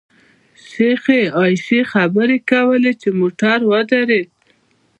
شیخې عایشې خبرې کولې چې موټر مو ودرېد.